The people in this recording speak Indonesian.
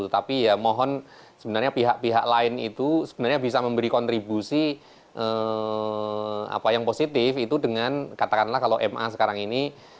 tapi ya mohon sebenarnya pihak pihak lain itu sebenarnya bisa memberi kontribusi apa yang positif itu dengan katakanlah kalau ma sekarang ini